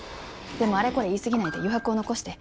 でもあれこれ言い過ぎないで余白を残して